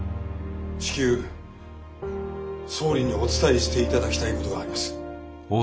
至急総理にお伝えしていただきたいことがあります。